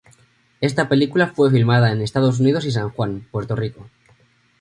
Esta película fue filmada en Estados Unidos y San Juan, Puerto Rico.